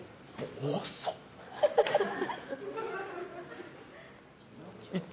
遅っ。